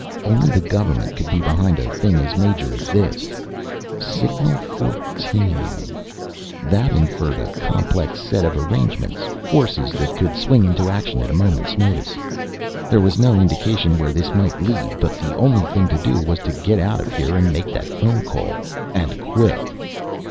Only the government could be behind a thing as major as this. Signal 14 that inferred a complex set of arrangements, forces that could swing into action at a moment's notice. There was no indication where this might lead, but the only thing to do was to get out of here and make that phone call. And quick.